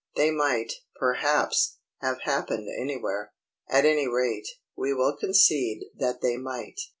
They might, perhaps, have happened anywhere; at any rate, we will concede that they might.